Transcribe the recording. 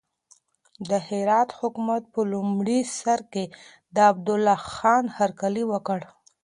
د هرات حکومت په لومړي سر کې د عبدالله خان هرکلی وکړ.